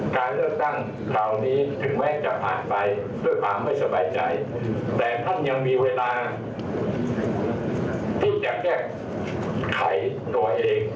การเลือกตั้งคราวนี้ถึงแม้จะผ่านไปด้วยความไม่สบายใจแต่ท่านยังมีเวลาที่จะแก้ไขตัวเอง